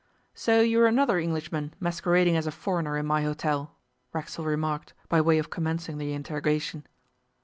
'So you're another Englishman masquerading as a foreigner in my hotel,' Racksole remarked, by way of commencing the interrogation.